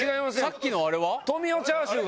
さっきのあれは？